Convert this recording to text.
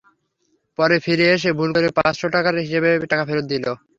পরে ফিরে এসে ভুল করে পাঁচশো টাকার হিসাবে টাকা ফেরত দিল।